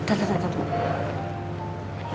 eh tunggu tunggu